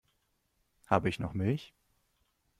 Habe ich noch Milch?